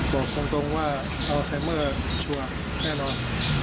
บอกตรงว่าอัลไซเมอร์ชัวร์แน่นอน